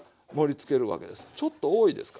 ちょっと多いですか？